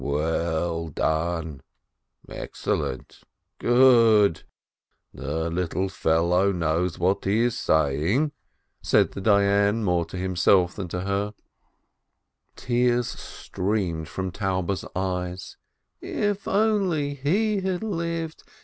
"Well done, excellent, good ! The little fellow knows what he is saying," said the Dayan more to himself than to her. A SCHOLAR'S MOTHER 527 Tears streamed from Taube's eyes. "If only he had lived